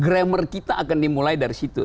gramer kita akan dimulai dari situ